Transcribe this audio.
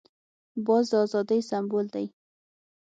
باز د آزادۍ سمبول دی